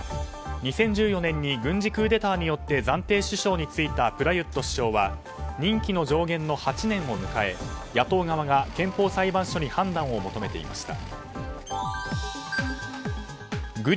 ２０１４年に軍事クーデターによって暫定首相に就いたプラユット首相は任期の上限の８年を迎え野党側が憲法裁判所に判断を求めていました。